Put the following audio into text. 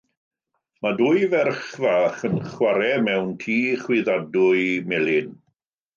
Mae dwy ferch fach yn chwarae mewn tŷ chwyddadwy melyn.